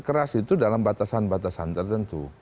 keras itu dalam batasan batasan tertentu